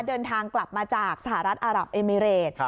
เดินทางกลับมาจากสหรัฐอารับเอมิเรต